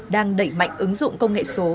đang đẩy mạnh ứng dụng công nghệ số